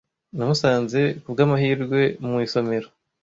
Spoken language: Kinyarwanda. Namusanze kubwamahirwe mu isomero.